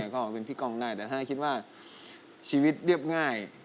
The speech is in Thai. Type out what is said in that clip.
ก็เป็นพี่ก้องได้แต่ถ้าคิดว่าชีวิตเรียบง่าย